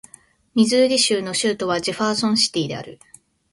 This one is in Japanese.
ミズーリ州の州都はジェファーソンシティである